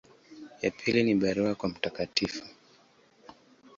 Ya pili ni barua kwa Mt.